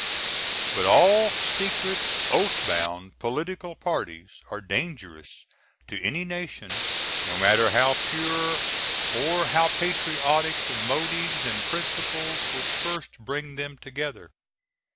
But all secret, oath bound political parties are dangerous to any nation, no matter how pure or how patriotic the motives and principles which first bring them together.